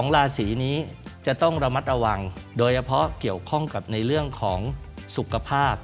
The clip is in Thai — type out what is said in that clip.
ราศีนี้จะต้องระมัดระวังโดยเฉพาะเกี่ยวข้องกับในเรื่องของสุขภาพ